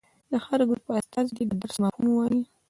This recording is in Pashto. د هر ګروپ استازي دې د درس مفهوم ووايي.